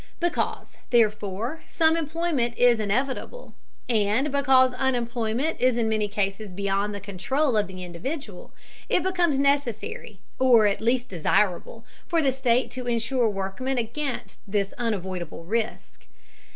Because, therefore, some unemployment is inevitable, and because unemployment is in many cases beyond the control of the individual, it becomes necessary, or at least desirable, for the state to insure workmen against this unavoidable risk.